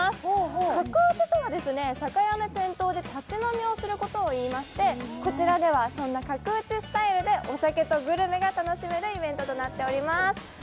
角打ちとは酒屋の店頭で立ち飲みすることでしてこちらではそんな角打ちスタイルでお酒とグルメが楽しめるイベントとなっています。